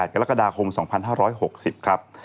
กรกฎาคม๒๕๖๐ครับ